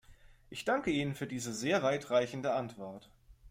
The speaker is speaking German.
Ich danke Ihnen für diese sehr weit reichende Antwort.